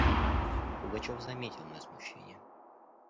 Пугачев заметил мое смущение.